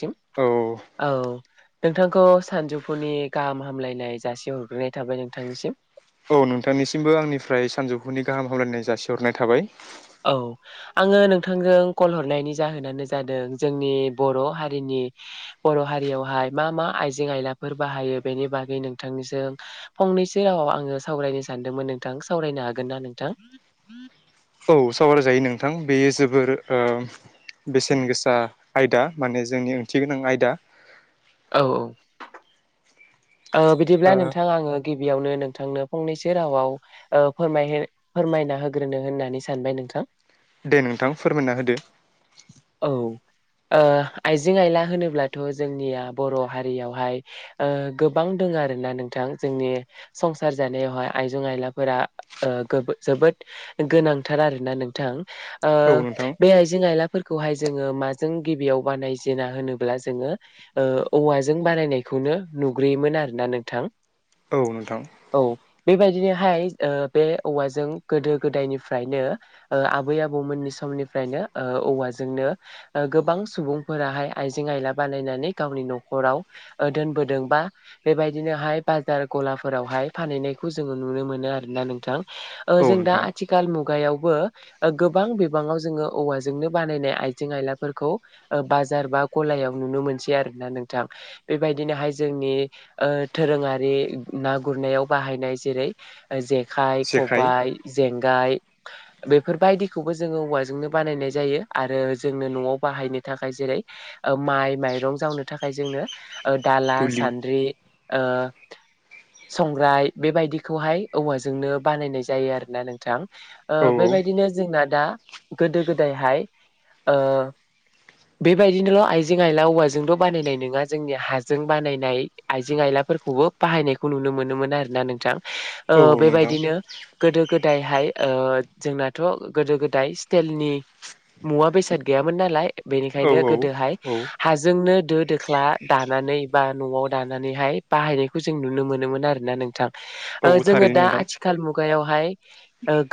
सिम औ औ नोंथांखौ सानजौफुनि गाहाम हामलायनाय जासि हरग्रोनाय थाबाय नोंथांनिसिम औ नोंथांनिसिमबो आंनिफ्राय सानजौफुनि गाहाम हामलायनाय जासिहरनाय थाबाय औ आङो नोंथांजों कल हरनायनि जाहोनानो जादों जोंनि बर' हारिनि बर' हारियावहाय मा मा आइजें आयलाफोर बाहायो बेनि बागै नोंथांनिजों फंनैसो रावाव आङो सावरायनो सानदोंमोन नोंथां सावरायनो हागोन ना नोंथां सावार जायो नोंथां बेयो जोबोर ओ बेसेन गोसा आयदा माने जोंनि ओंथि गोनां आयदा औ औ ओ बिदिब्ला ओ नोंथाङा आङो गि बियावनो नोंथांनो फंनैसो रावाव ओ फोर फोरमायना होग्रोनो होननानै सानबाय नोंथां दे नोंथां फोरमायना होदो औ ओ आइजें आइला होनोब्लाथ' जोंनिया बर' हारियावहाय ओ गोबां दंङो आरोना नोंथां जोंनि संसार जानायावहाय आइजें आइलाफोरा ओ जोबो द गोनांथार आरो ना नोंथां ओ औ नोंथां बे आइजें आइला जोङो माजों गिबियाव बानायजेना होनोब्ला जोङो ओ औवाजों बानायनायखौनो नुग्रोयोमोन आरोना नोंथां औ नोंथां औ बेबायदिनोहाय ओ बे औवाजों गोदो गोदायनिफ्रायनो ओ आबै आबौमोननि सम निफ्रायनो ओ औवाजोंनो ओ गोबां सुबुंफोराहाय आइजें आइला बानायनानै गावनि न'खराव दोनबोदों बा बेबायदिनोहाय बाजार गलाफोरावहाय फानहैनायखौ जोङो नुनो मोनो आरोना नोंथां ओ औ जों दा नोंथां आथिखाल मुगायावबो गोबां बिबाङाव जोङो औवाजों नो बानायनाय आइजें आइलाफोरखौ बाजार बा गलायाव नुनो मोनसै आरोना नोंथां बेबायदिनोहाय जोंनि दोरोङारि ना गुरनायाव बाहायनाय जेरै जे खाइ जेखाइ खबबाय जेंगाय बेफोरबायदिखौबो जोङो औवाजोंनो बानायनाय जायो आरो जोंनो न'आव बाहायनो थाखाय जेरै माइ माइरं जावनो थाखाय जोंनो। ओ दाला दुलि सान्द्रि ओ। संग्राय बेबायदिखौहाय औवाजोंनो बानायनाय जायो आरो ना नोंथां। ओ औ औ बेबायदिनो जोंना दा गोदो गोदायहाय ओ। बेबायदिनोल' आइजें आइला औवाजोंथ' बानायनाय नङा जोंनि हाजों बानायनाय आइजें आइला। फोरखौबो बाहायनायखौ नुनो मोनोमोन आरो ना नोंथां। औ ओ औ नोंथां बेबायदिनो गोदो गोदायहाय। ओ जोंनाथ' गोदो गोदाय स्टेलनि मुवा बेसाद गैयामोन नालाय। औ बेनिखायनो औ गोदोहाय औ हाजोंनो। दो दोख्ला दानानै बा न'आव दानानैहाय बाहायनायखौ जों नुनो मोनोमोन आरो ना नोंथां। औ ओ जोङो थारैनो दा नोंथां आथिखाल मुगायावहाय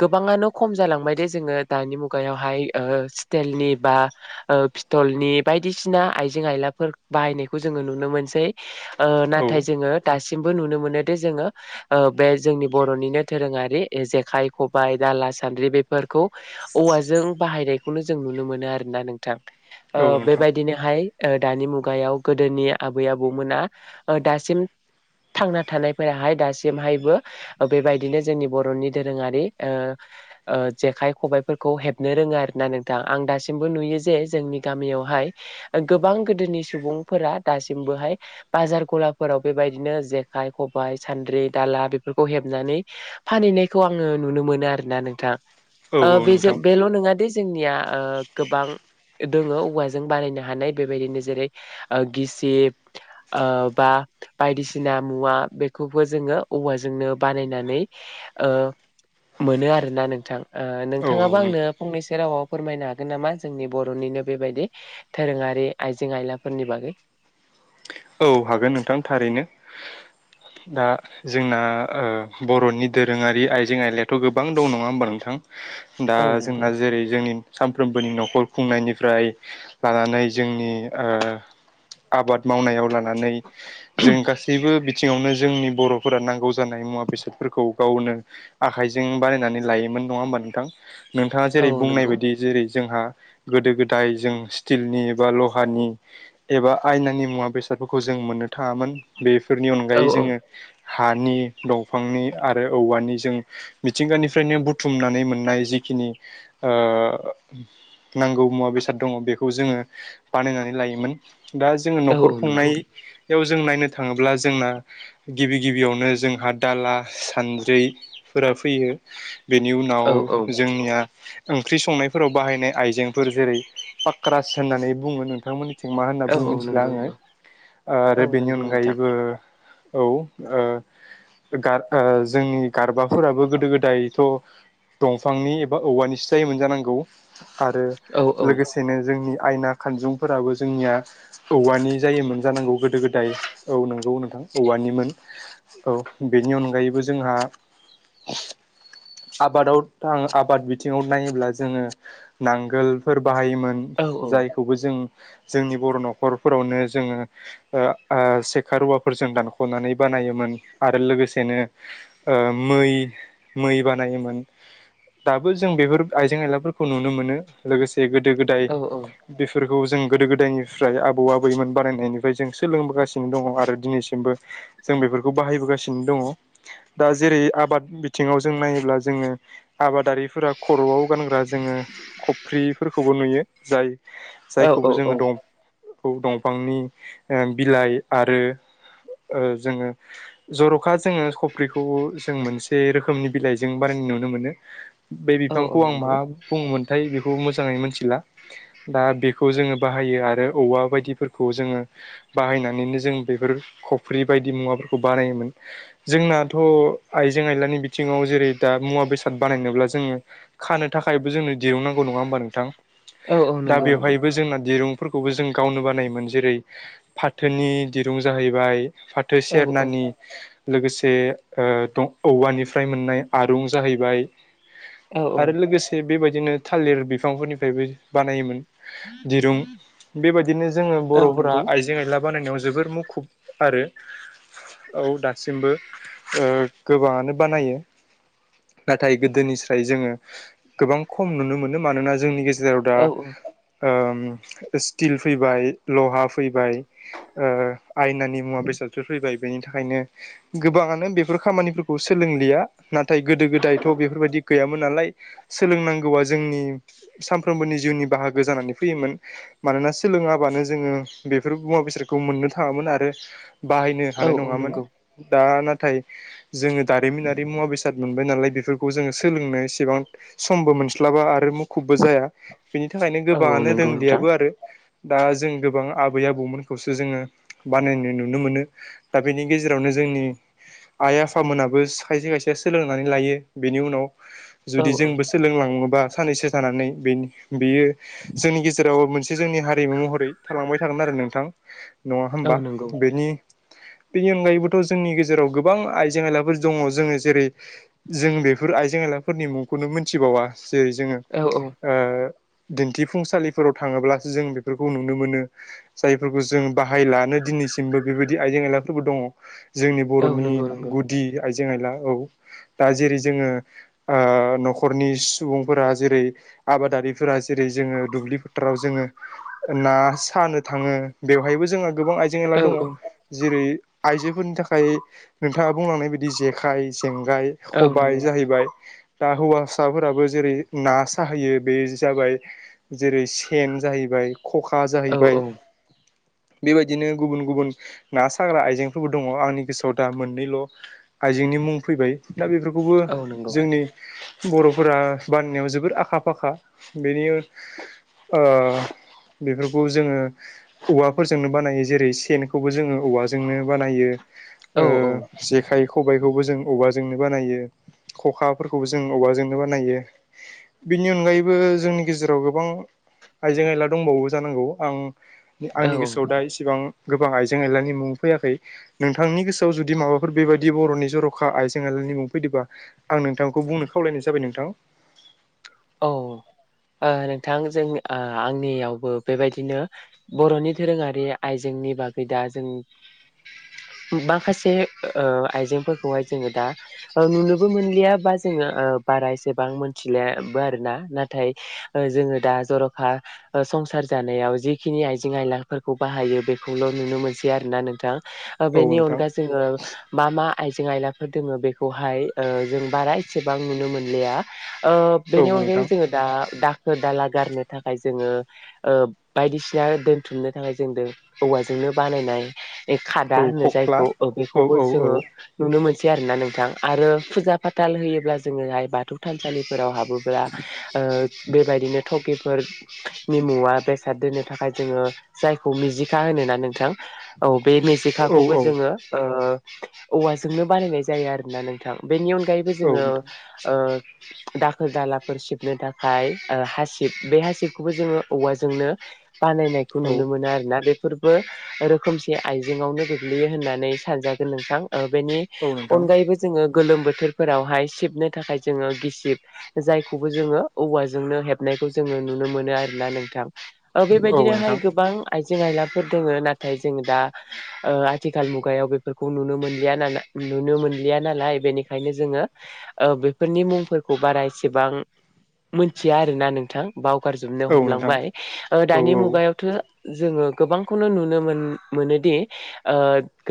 गोबाङानो खम जालांबाय दे जोङो दानि मुगायावहाय ओ स्टेलनि बा पिथलनि ओ बायदिसिना आइजें आयलाफोर बाहायनायखौ जों नुनो मोनसै ओ औ नाथाय जोङो दासिम सिमबो नुनो मोनो दि जोङो बे जोंनि बर'निनो दोरोङारि जेखाइ खबायाइ दाला सानद्रि बेफोरखौ औवाजों बाहायनायखौनो जों नुनो मोनो आरोना नोंथां औ नोंथां बेबायदिनोहाय ओ दानि मुगायाव गोदोनि आबै आबौमोना दासिम थांना थानायफोराहाय दासिमहायबो बेबायदिनो जोंनि बर'नि दोरोङारि ओ ओ जेखाय खबायाइफोरखौ हेब नो रोङा आरोना नोंथां आं दासिमबो नुयो जे जोंनि गामियावहाय गोबां गोदोनि सुबुं फोरा दासिबोहाय बाजार गलाफोराव बेबायदिनो जेखाइ खबायाइ सान्द्रि दाला बे बेफोरखौ हेबनानै फानहैनायखौ आङो नुनो मोनो आरोना नोंथां। औ औ नोंथां। नङादे जोंनिया ओ गोबां दोङो औवाजों बानायनो हानाय बेबायदिनो जेरै ओ गिसिब ओ बा बायदिसिना मुवा बेखौबो जोङो औवाजोंनो बानायनानै ओ मोनो आरोना नोंथां ओ औ औ नोंथाङाबो आंनो नोंथां फंनैसो रावाव फोरमायनो हागोन नामा जोंनि बर'निनो बेबायदि दोरोङारि आइजें आयलाफोरनि बागै। औ हागोन नोंथां थारैनो। दा जोंना ओ बर'नि दोरोङारि आइजें आयलायाथ' गोबां दं नङा होमबा नोंथां? दा औ नंगौ जोंना जेरै जोंनि सानफ्रोमबोनि न'खर खुंनायनिफ्राय लानानै जोंनि ओ आबाद मावनायाव लानानै जों गासैबो बि थिङावनो जोंनि बर'फोरा नांगौ जानाय मुवा बेसादफोरखौ गावनो आखाइजों बानायनानै लायोमो मोन नङा होमबा नोंथां? नोंथाङा औ जेरै बुंनाय नंगौ बायदि जेरै जोंहा गोदो गोदाय जों स्टिलनि बा ल'हानि एबा आयनानि मुवा बेसाद फोरखौ जों मोननो थाङामोन बेफोरनि औ अनगायै औ जोङो हानि दंफांनि आरो औवानि जों मिथिंगानिफ्रायनो बुथुमनानै मोननाय जि खिनि ओ नांगौ मुवा बेसाद दङ बेखौ जोङो बानायनानै लायोमोन। दा जोङो औ औ न'खर नंगौ खुंनाय आव जों नायनो थाङोब्ला जोंना गिबि गिबियावनो जोंहा दाला सानद्रि फोरा फैयो बेनि उनाव औ औ जोंनिया ओंख्रि संनायफोराव बाहायनाय आइजेंफोर जेरै पाक्रास होननानै बुङो नोंथांमोननि थिं मा होनना औ बुं औ मिथिला नंगौ आङो नंगौ आरो औ बेनि नंगौ नोंथां अनगायैबो औ ओ गार ओ जोंनि गारबाफोराबो गोदो गोदायथ' दंफांनि एबा औवानिसो जायोमोन जानांगौ। आरो औ औ लोगोसेनो जोंनि आयना खानजुंफोराबो जोंनिया औवानि। जायोमोन जांनांगौ गोदो गोदाय औ नंगौ नोंथां औवानिमोन औ बेनि अनगायैबो जोंहा आबादाव थाङ आबाद बिथिङाव नायोब्ला जोङो नांगोलफोर बाहायोमोन औ औ जायखौबो जों जोंनि बर नखरफोरावनो जोङो ओ आ सेखा रुवाफोरजों दानखनानै बानायोमोन आरो लोगोसेनो ओ मै मै बानायोमोन। दाबो जों बेफोर आइजें आइला फोरफोरखौ नुनो मोनो लोगोसे गोदो गोदाय औ औ बेफोर बेखौ जों गोदो गोदायनिफ्राय आबौ आबैमोन बारायनायनिफ्राय जों सोलोंबोगासिनो दङ आरो दिनैसिमबो जों बेफोरखौ बाहायबोगासिनो दङ। दा जेरै आबाद बिथिङाव जों नायोब्ला जोङो आबादारिफोरा खर'आव गानग्रा जोङो खफ्रिफोरखौबो नुयो जाय औ जायखौबो औ जोङो दं खौ दंफांनि ओ बिलाइ आरो ओ जोङो जर'खा जोङो खफ्रिखौबो जों मोनसे रोखोमनि बिलाइजों बानायना नुनो मोनो बे औ औ बिफांखौ आं मा नंगौ बुंङोमोनथाय बे खौ मोजाङै मोनथिला दा बेखौ जोङो बाहायो आरो औवा बायदिफोरख खौ जोङो बायनानैनो जों बेफोर खफ्रि बायदि मुवाफोरखौ बानायोमोन जोंना जोंनाथ' आइजें आइलानि बिथिंङाव जेरै दा मुवा बेसाद बानायनोब्ला जोङो खानो थाखाय बो जोंनो दिरुं नांगौ नंङा होनबा नोंथां औ औ दा नंगौ नंगौ बेवहाइबो जोंना दिरुं फोरखौबो जों गावनो बानायोमोन जेरै फाथोनि दिरुं जाहैबाय फाथो औ औ सेरनानि लोगोसे ओ दं औवानिफ्राय मोननाय आरुं जाहैबाय औ आरो लोगोसे बेबायदिनो थालिर बिफांफोरनिफ्रायबो बानायोमोन। दिरुं बेबायदिनो जोङो औ बर'फोरा नंगौ आइजें आइला बानायनाय जोबोर मुखुब आरो। औ दासिमबो ओ गोबाङानो बानायो। नाथाय गोदोनिस्राइ जोङो गोबां खम नुनो मोनो मानोना जोंनि गेजे जेराव दा औ ओ स्टिल फैबाय लहा फैबाय ओ आयनानि मुवा बेसादफोर फैबाय बेनि थाखायनो गोबां आनो बेफोर खामानिफोरखौ सोलोंलिया नाथाय गोदो गोदायथ' बेफोरबायदि गैयामोन नालाय सोलों नांगौआ जोंनि सानफ्रोमबोनि जिउनि बाहागो जानानै फैयोन मानोना सोलोङाबानो जो जोङो बेफोर मुवा बेसादखौ मोननो थाङामोन आरो बाहायनो औ हानाय औ नङामोन नंगौ दा नाथाय जोङो दारिमिनारि मुवा बेसाद मोन बाइ नालाय बेफोरखौ जोङो सोलोंनो इसेबां समबो मोनस्लाबा आरो मु खुबबो जाया बेनि थाखायनो औ औ गोबाङानो नंगौ नोंथां रोंदियाबो आरो दा जों गोबां आबै आबौमोनखौसो जोङो बानायनो नुनो मोनो दा बेनि गेजेरावनो जोंनि आइ आफामोनाबो खायसे खायसे सोलोंनानै लायो बेनि उनाव औ जुदि औ जोंबो सोलोंलाङो बा सानैनैसो थानानै बे बेयो जोंनि गेजेराव मोनसे जोंनि हारिमु महरै थालांबाय थागोन आरो नोंथां नङा औ होमबा नंगौ बेनि बेनि अनगायैबोथ' जोंनि गेजेराव गोबां आइजें आयलाफोर दङ जोङो जेरै जों बेफोर आइजें आइलाफोरनि मुंखौनो मोनथिबावा। जेरै जोङो औ औ ओ दिन्थिफुंसालिफोराव थाङोब्लासो जों बेफोरखौ नु नो मोनो जायफोरखौ जों बाहाय लानो दिनैसिमबो बेबायदि आइजें आयलाफोरबो दङ जोंनि औ बर'नि नंगौ नंगौ गुदि आइजें आइला औ दा जेरै जोङो ओ न'खरनि सुबुंफोरा जेरै आबादारिफोरा जेरै जोङो दुब्लि फोथाराव जोङो ना सानो थाङो बेवहायबो जोंहा गोबां आइजें एला औ दङ औ जेरै आइजोफोरनि थाखाय नोंथाङा बुंलांनाय बायदि जेखाय जेंगाय औ खबाइ नंगौ जाहैबाय दा हौवासाफोराबो जेरै ना साहैयो बे जाबाय जेरै सेन जाहैबाय ख'खा औ जाहैबाय औ बेबायदिनो गुबुन गुबुन ना साग्रा आइजेंफोरबो दङ आंनि गोसोआव दा मोननैल' आइ बेनि मुं फैबाय दा बेफोरखौबो औ नंगौ जोंनि बर'फोरा बाननायाव जोबोर आखा फाखा बेनि ओ बेफोरखौ जोङो औवाफोरजोंनो बानायो जेरै सेनखौबो जोङो औवाजोंनो बानायो औ ओ जेखाइ खबाइखौबो जों औवाजोंनो बानायो ख'खाफोरखौबो जों अबावबाजोंनो बानायो बेनि अनगायैबो जोंनि गेजेराव गोबां आइजें आयला दंबावो जानांगौ आं औ आंनि गोसोआव दा एसेबां गोबां आइजें आइलानि मुं फैयाखै नोंथांनि गोसोआव जुदि माबाफोर बेबायदि बर'नि जर'खा आइजें आइला [unintelligible] मुं फैदोबा आं नोंथांखौ बुंनो खावलायनाय जाबाय नोंथां। औ ओ नोंथां जों आंनियावबो बेबायदिनो बर'नि दधोरोङारि आइजें नि बागै दा जों [inaudible] माखासे ओ आइजेंफोरखौहाय जोङो दा नुनोबो मोनलिया बा जोङो ओ बारा एसेबां मिथिला बो आरोना नाथाय जोङो दा जर'खा संसार जानायाव जिखिनि आइजें आइलाफोरखौ बाहायो बेखौल' नुनो मोनसै आरो ना नोंथां। ओ औ बेनि नोंथां अनगाै जोङो मा मा आइजें आइलाफोर दोङ बेखौहाय जों बारा एसेबां नुनो मोनलिया ओ औ बेनि नोंथां अनगायै जोङो दा दा दाला गारनो थाखाय जोङो ओ बायदिसिना दोनथुमनो थाखाय जों औवाजों बानायनाय खादा औ होन खख्ला जायखौ औ बेखौबो औ जोङो औ नुनो मोन सै आरोना नोंथां आरो फुजा फाथाल होयोब्ला जोङोहाय बाथौ थानसालिफोराव हाबो। ब्ला ओ बेबायदिनो थकिफोरनि मुवा बेसाद दोननो थाखाय जोङो जायखौ मिजिखा होना नोंथां औ। बे औ मेजेखाखौबो जोङो ओ औवाजोंनो बानायनाय जायो आरोना नोंथां। बेनि अनगायैबो औ जोङो नोंथां ओ दाखोर दाला फोर सिबनो थाखाय ओ हासिब बे हासिबखौबो जोङो औवाजोंनो बानायनायखौ औ नुनो मोनो आरोना बे फोरबो रोखोमसे आइजेंआवनो गोग्लैयो होननानै सानजागोन नोंथां। ओ बेनि औ नोंथां अनगायैबो जोङो गोलोम बोथोरफोरावहाय सिबनो थाखाय जोङो गिसिब जाय खौबो जोङो औवाजोंनो हेबनायखौ जोङो नुनो मोनो आरोना नोंथां। ओ औ बेबायदिनोहाय नोंथां गोबां आइ जें आइलाफोर दोङो नाथाय जों दा आथिखाल मुगायाव बेफोरखौ नुनो मोनलिया नालाय नुनो मोनलिया नालाय बेनिखायनो जोङो ओ बेफोरनि मुंफोरखौ बारा एसेबां मोनथिया आरोना नोंथां बावगारजोबनो औ नोंथां हमलांबाय औ दानि औ मुगायावथ' जोङो गोबांखौनो नुनो मोन मोनोदि ओ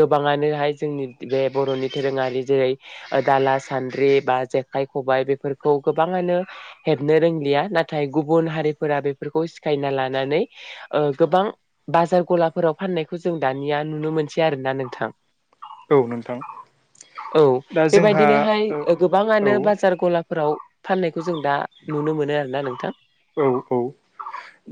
गोबाङानोहाय जोंनि बे बर'नि दोरोङारि जेरै दाला सान्द्रि बा जेखाइ खबायाइ बेफोरखौ गोबाङानो हेबनो रोंलिया नाथाय गुबुन हारिफोरा बेफोरखौ सिखायना लानानै ओ गोबां बाजार गलाफोराव फाननायखौ जों दानिया नुनो मोनसै आरोना नोंथां। औ नोंथां औ दा जोंहा बेबायदिनोहाय गोबाङानो ओ बाजार गला फोराव फाननायखौ जों दा नुनो मोनो आरोना नोंथां। औ औ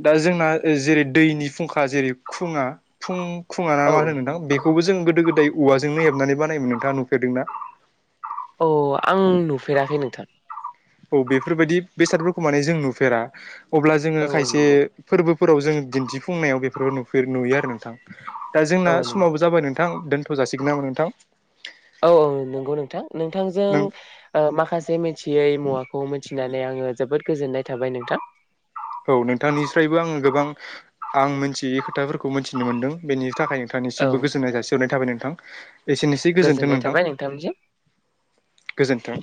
दा जोंना जेरै दैनि फुंखा जेरै फुङा फुं खुङा ना औ मा औ होनो नोंथां बेखौबो जों गोदो गोदाय औवाजोंनो हेबनानै बानायोमोन नोंथाङा नुफेरदोंना? औ आं नुफेराखै नोंथां। बेफोरबायाददि बेसादफोरखौ माने जों नुफेरा अब्ला जोंङो औ औ खायसे नंगौ फोर फोराव जोंङो दिन्थिफुंनायाव बेफोराव नुयो आरो नोंथां दा औ जोंना नों समाबो जाबाय नों नोंथां दोन्थ' जासिगोन नामा नोंथां? औ औ नंगौ नोंथां। नोंथांजों नों ओ माखासे मिथियै मुवाखौ मिथिनानै आङो जोबोद गोजोननाय थाबाय नोंथां। औ नोंथांनिफ्रायबो आङो गोबां आं मिथियै खोथाफोरखौ मिथिनो मोनदों बेनि थाखाय औ नोंथांनिसिमबो गोजोननाय जासिहरनाय थाबाय नोंथां। एसेनोसै गोजोन्थों गोजोननाय नोंथां थाबाय नोंथांनिसिम गोजोनथों।